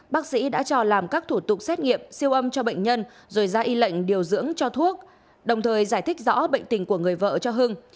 bác sĩ đã cho làm các thủ tục xét nghiệm siêu âm cho bệnh nhân rồi ra y lệnh điều dưỡng cho thuốc đồng thời giải thích rõ bệnh tình của người vợ cho hưng